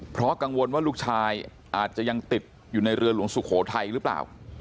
เพราะกังวลว่าลูกชายอาจจะยังติดอยู่ในเรือหลวงสุโขทัยหรือเปล่า